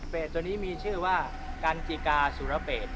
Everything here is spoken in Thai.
ตัวนี้มีชื่อว่ากันจิกาสุรเปศ